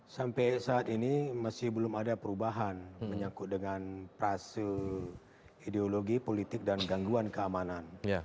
sampai saat ini masih belum ada perubahan menyangkut dengan prase ideologi politik dan gangguan keamanan